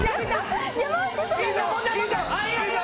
山内さんの。